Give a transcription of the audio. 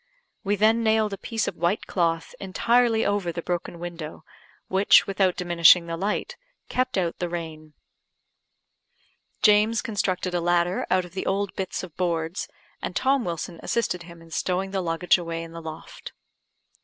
We then nailed a piece of white cloth entirely over the broken window, which, without diminishing the light, kept out the rain. James constructed a ladder out of the old bits of boards, and Tom Wilson assisted him in stowing the luggage away in the loft.